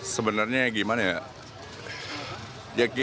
sebenarnya gimana ya